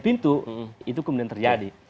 itu kemudian terjadi